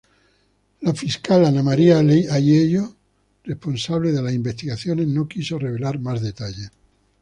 La fiscal Ana Maria Aiello, responsable de las investigaciones, no quiso revelar más detalles.